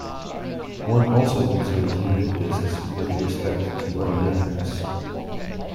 One also considers unit disks with respect to other metrics.